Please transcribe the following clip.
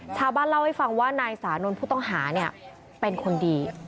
ชาวบ้านเล่าให้ฟังว่านายสานนท์ผู้ต้องหาเนี่ยเป็นคนดี